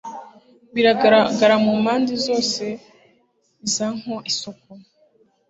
biragaragara mu mpande zose za nkwo - isoko